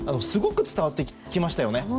すごく伝わってきましたよね。